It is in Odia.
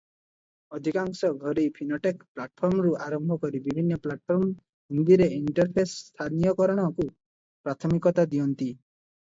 ଅଧିକାଂଶ ଘରୋଇ ଫିନଟେକ ପ୍ଲାଟଫର୍ମରୁ ଆରମ୍ଭ କରି ବିଭିନ୍ନ ପ୍ଲାଟଫର୍ମ ହିନ୍ଦୀରେ ଇଣ୍ଟରଫେସ ସ୍ଥାନୀୟକରଣକୁ ପ୍ରାଥମିକତା ଦିଅନ୍ତି ।